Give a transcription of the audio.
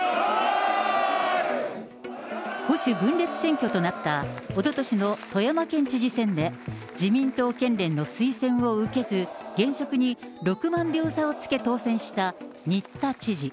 保守分裂選挙となったおととしの富山県知事選で、自民党県連の推薦を受けず、現職に６万票差をつけ当選した、新田知事。